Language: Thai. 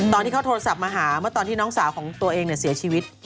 ตอนที่เขาโทรศัพท์มาหาเมื่อตอนที่น้องสาวของตัวเองเสียชีวิต